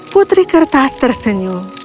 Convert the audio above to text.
putri kertas tersenyum